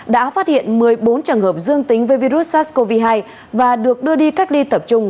đã phát hiện một mươi bốn trường hợp dương tính với virus sars cov hai và được đưa đi cách ly tập trung